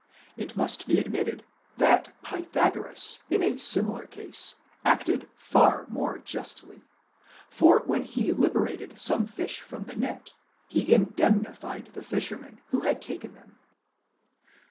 It must be ad mitted that Pythagoras in a similar case acted far more justly, for when he liberated some fish from the net, he indemnified the fishermen who had taken them.